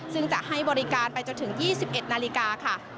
ซึ่งจะให้บริการไปจนถึง๒๑นาฬิกาค่ะ